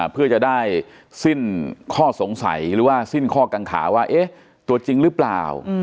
เพื่อจะได้สิ้นข้อสงสัยหรือว่าสิ้นข้อกังขาว่าตัวจริงหรือเปล่า